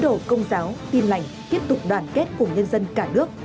chức sắc tín đổ công giáo tin lạnh tiếp tục đoàn kết cùng nhân dân cả nước